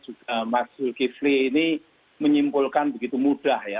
juga mas zulkifli ini menyimpulkan begitu mudah ya